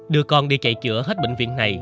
đưa con đi chạy chữa hết bệnh viện này